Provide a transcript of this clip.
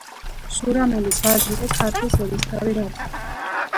სურამელის ვაჟი იყო ქართლის ერისთავი რატი.